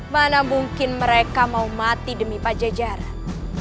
mana mungkin mereka mau mati demi pajajaran